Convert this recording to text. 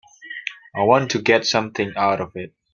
I want to get something out of it.